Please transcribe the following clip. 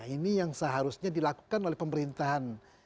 ini yang seharusnya dilakukan oleh pemerintahan